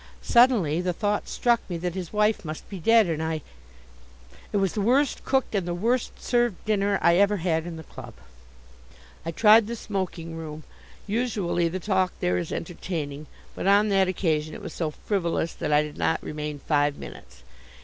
Suddenly the thought struck me that his wife must be dead, and I . It was the worst cooked and the worst served dinner I ever had in the club. I tried the smoking room. Usually the talk there is entertaining; but on that occasion it was so frivolous that I did not remain five minutes.